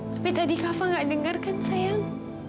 tapi tadi kava nggak dengar kan sayang